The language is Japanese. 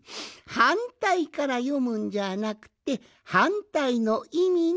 はんたいからよむんじゃなくてはんたいのいみのことばじゃよ。